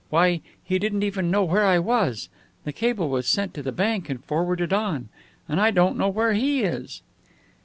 Why, he didn't even know where I was. The cable was sent to the bank and forwarded on. And I don't know where he is!"